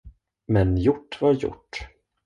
Men gjort var gjort.